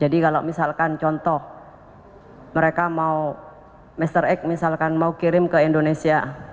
jadi kalau misalkan contoh mereka mau mr x misalkan mau kirim ke indonesia